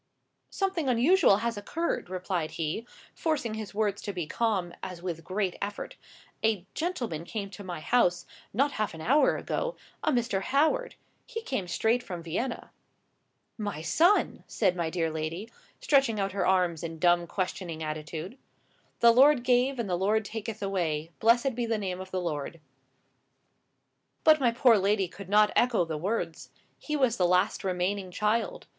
"Something unusual has occurred," replied he, forcing his words to be calm, as with a great effort. "A gentleman came to my house, not half an hour ago—a Mr. Howard. He came straight from Vienna." "My son!" said my dear lady, stretching out her arms in dumb questioning attitude. "The Lord gave and the Lord taketh away. Blessed be the name of the Lord." But my poor lady could not echo the words. He was the last remaining child.